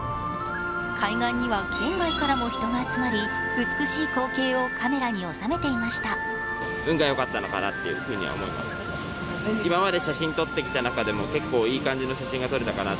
海岸には県外からも人が集まり、美しい光景をカメラに収めていました。